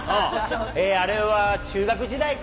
あれは中学時代か。